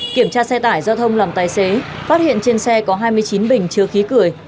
kiểm tra xe tải giao thông làm tài xế phát hiện trên xe có hai mươi chín bình chứa khí cười